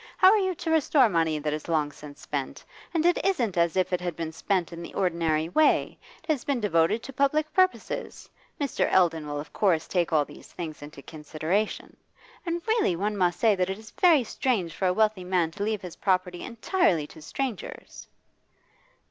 How are you to restore money that is long since spent? and it isn't as if it had been spent in the ordinary way it has been devoted to public purposes. Mr. Eldon will of course take all these things into consideration. And really one must say that it is very strange for a wealthy man to leave his property entirely to strangers.